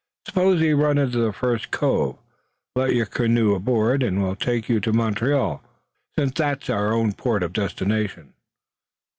Suppose we run into the first cove, lift your canoe aboard, and we'll take you to Montreal, since that's our own port of destination."